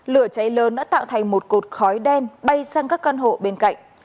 lửa cháy lớn đã tạo thành một cột khói đen bay sang các căn hộ bên cạnh